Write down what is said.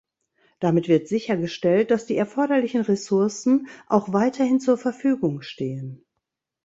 Damit wird sichergestellt, dass die erforderlichen Ressourcen auch weiterhin zur Verfügung stehen.